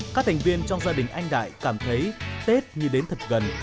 các thành viên trong gia đình anh đại cảm thấy tết như đến thật gần